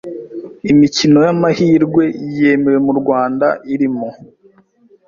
Imikino y’amahirwe yemewe mu Rwanda irimo;